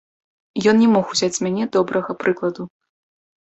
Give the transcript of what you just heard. Ён не мог узяць з мяне добрага прыкладу.